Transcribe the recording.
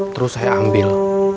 terus saya ambil